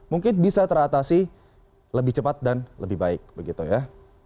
mungkin bisa teratasi lebih cepat dan lebih baik begitu ya